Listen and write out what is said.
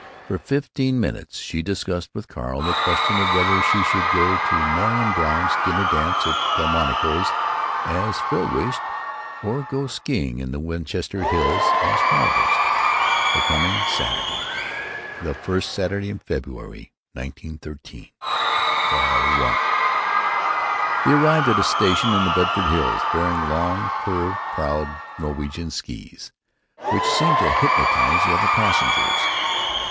For fifteen minutes she discussed with Carl the question of whether she should go to Marion Browne's dinner dance at Delmonico's, as Phil wished, or go skeeing in the Westchester Hills, as Carl wished, the coming Saturday—the first Saturday in February, 1913. Carl won. They arrived at a station in the Bedford Hills, bearing long, carved prowed Norwegian skees, which seemed to hypnotize the other passengers.